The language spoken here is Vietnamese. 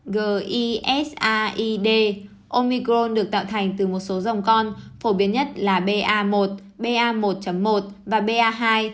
g e s a i d omicron được tạo thành từ một số dòng con phổ biến nhất là ba một ba một một và ba hai